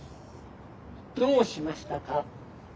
どうしましたか？